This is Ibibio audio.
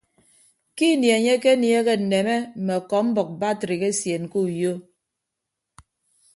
Ke ini enye akenieehe nneme mme ọkọmbʌk batrik esien ke uyo.